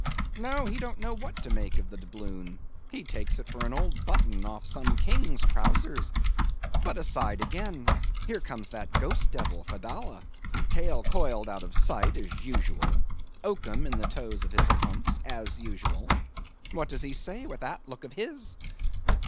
No: he don't know what to make of the doubloon; he takes it for an old button off some king's trowsers. But, aside again! here comes that ghost devil, Fedallah; tail coiled out of sight as usual, oakum in the toes of his pumps as usual. What does he say, with that look of his?